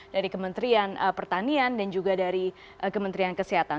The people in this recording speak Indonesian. dari kementerian pertanian dan juga dari kementerian kesehatan